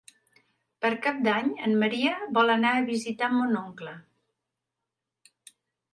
Per Cap d'Any en Maria vol anar a visitar mon oncle.